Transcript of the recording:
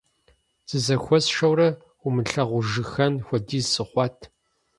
Зызэхуэсшэурэ, умылъагъужыххэн хуэдиз сыхъуат.